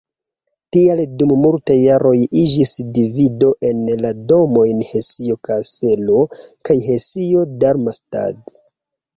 Tial dum multaj jaroj iĝis divido en la domojn Hesio-Kaselo kaj Hesio-Darmstadt.